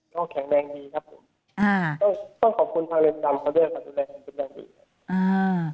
ก็แข็งแรงดีครับผมต้องขอบคุณทางเรือนจำเขาด้วยการดูแลดูแลดี